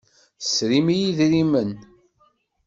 Tesrim i yedrimen.